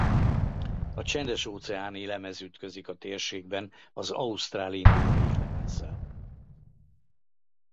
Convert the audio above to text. A Csendes-óceáni-lemez ütközik a térségben az Ausztrál–Indiai-lemezzel.